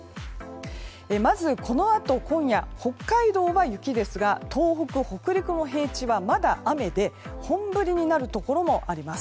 まずこのあと今夜北海道は雪ですが東北、北陸の平地はまだ雨で本降りになるところもあります。